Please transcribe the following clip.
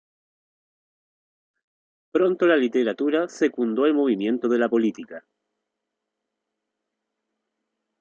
Pronto la literatura secundó el movimiento de la política.